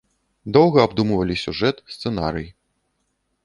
Доўга абдумвалі сюжэт, сцэнарый.